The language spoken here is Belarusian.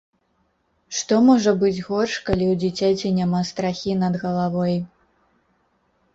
Што можа быць горш, калі ў дзіцяці няма страхі над галавой.